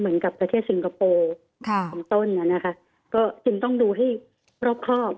เหมือนกับประเทศซิงโกโปรของต้นก็จึงต้องดูให้รอบครอบ